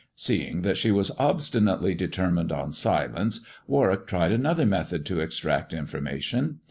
Seeing that she was obstinately determined on silence, Warwick tried another method to extract information.